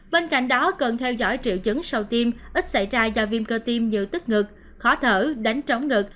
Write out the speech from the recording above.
bên cạnh đó cần theo dõi triệu chứng sau tiêm ít xảy ra do viêm cơ tim như tức ngực khó thở đánh chóng ngực